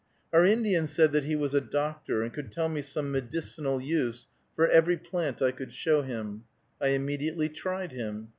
Our Indian said that he was a doctor, and could tell me some medicinal use for every plant I could show him. I immediately tried him.